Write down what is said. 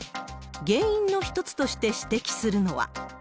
原因の一つとして指摘するのは。